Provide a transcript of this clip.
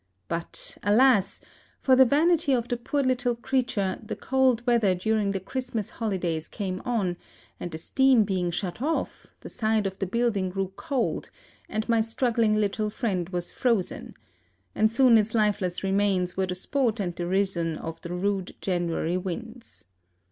But, alas! for the vanity of the poor little creature, the cold weather during the Christmas holidays came on, and the steam being shut off, the side of the building grew cold and my struggling little friend was frozen, and soon its lifeless remains were the sport and derision of the rude January winds.